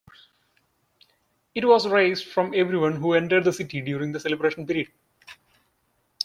It was raised from everyone who entered the city during the celebration period.